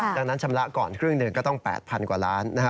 ดังนั้นชำระก่อนครึ่งหนึ่งก็ต้อง๘๐๐กว่าล้านนะฮะ